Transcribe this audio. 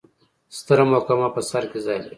ستره محکمه په سر کې ځای لري.